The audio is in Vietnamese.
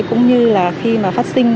cũng như là khi mà phát sinh